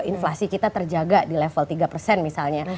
inflasi kita terjaga di level tiga misalnya